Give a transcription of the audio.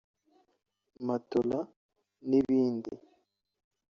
matola n’ibindi